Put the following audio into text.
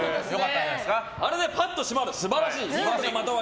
あれでぱっと締まるのが素晴らしい。